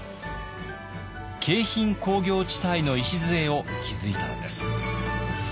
京浜工業地帯の礎を築いたのです。